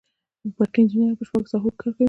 برقي انجینران په شپږو ساحو کې کار کوي.